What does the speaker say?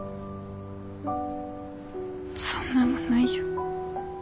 そんなのないよ。